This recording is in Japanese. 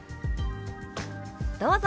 どうぞ。